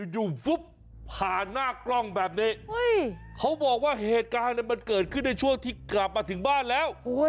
ฟึ๊บผ่านหน้ากล้องแบบนี้เขาบอกว่าเหตุการณ์มันเกิดขึ้นในช่วงที่กลับมาถึงบ้านแล้ว